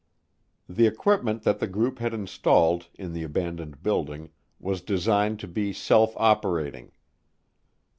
The equipment that the group had installed in the abandoned building was designed to be self operating.